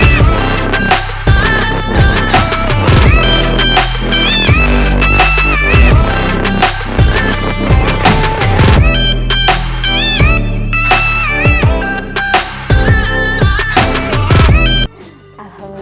jangan lupa doa ya